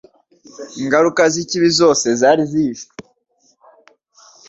Ingaruka 'z'ikibi zose zari zihishwe